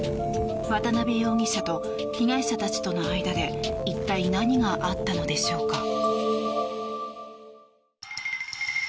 渡邊容疑者と被害者たちとの間で一体、何があったのでしょうか。